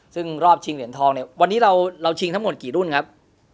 ซึ่งรอบชิงเหรียญทองเนี่ยวันนี้เราชิงทั้งหมดกี่รุ่นครับ